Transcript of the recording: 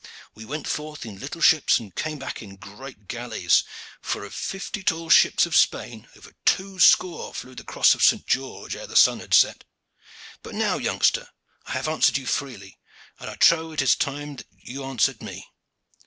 We went forth in little ships and came back in great galleys for of fifty tall ships of Spain, over two score flew the Cross of St. George ere the sun had set. But now, youngster, I have answered you freely, and I trow it is time that you answered me.